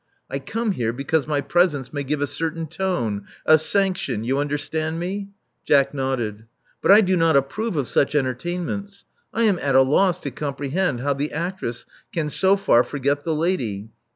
I come here because my presence may give a certain tone — a sanction — you understand me?* * Jack nodded. •*But I do not approve of such entertainments. I am at a loss to comprehend how the actress can so far forget the lady.